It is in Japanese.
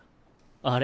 あれ？